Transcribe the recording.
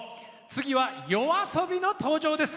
ＹＯＡＳＯＢＩの登場です！